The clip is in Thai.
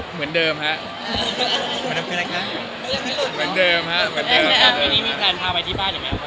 เหมือนเดิมครับ